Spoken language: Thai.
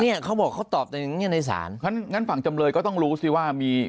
เนี้ยเขาบอกเขาตอบในนี้ในศาลงั้นงั้นฝั่งจำเลยก็ต้องรู้สิว่ามี